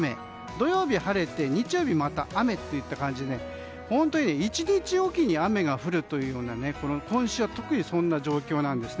土曜日、晴れて日曜日また雨といった感じで本当に１日おきに雨が降るというような今週は特にそんな状況です。